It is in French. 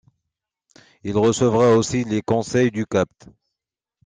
Il recevra aussi les conseils du Capt.